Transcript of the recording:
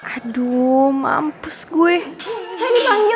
aduh mampus gue